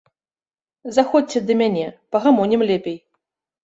Заходзьце да мяне, пагамонім лепей.